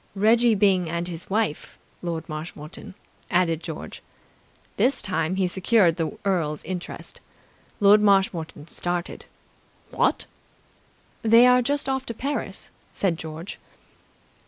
"Reggie Byng and his wife, Lord Marshmoreton," added George. This time he secured the earl's interest. Lord Marshmoreton started. "What!" "They are just off to Paris," said George.